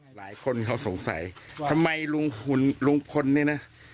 หลายคนเขาสงสัยทำไมลุงพลเนี่ยนะ